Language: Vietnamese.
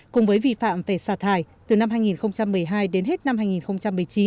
cùng với vi phạm về xả thải từ năm hai nghìn một mươi hai đến hết năm hai nghìn một mươi chín